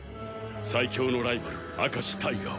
最強のライバル明石タイガを。